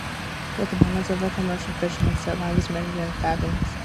The components of a commercial fisherman's setline were measured in fathoms.